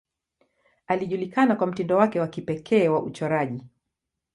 Alijulikana kwa mtindo wake wa kipekee wa uchoraji.